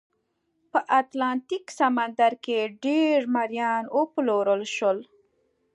په اتلانتیک سمندر کې ډېر مریان وپلورل شول.